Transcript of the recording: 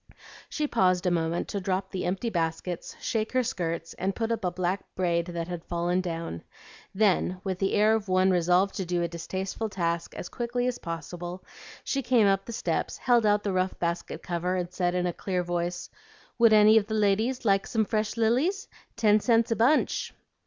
She paused a moment to drop the empty baskets, shake her skirts, and put up a black braid that had fallen down; then, with the air of one resolved to do a distasteful task as quickly as possible, she came up the steps, held out the rough basket cover, and said in a clear voice, "Would any of the ladies like some fresh lilies? Ten cents a bunch."